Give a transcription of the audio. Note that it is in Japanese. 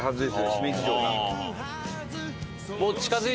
姫路城が。